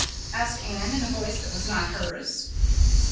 asked Anne in a voice that was not hers.